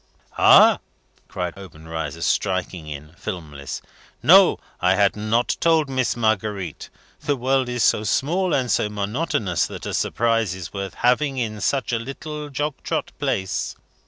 "Ah!" cried Obenreizer, striking in, filmless. "No. I had not told Miss Marguerite. The world is so small and so monotonous that a surprise is worth having in such a little jog trot place.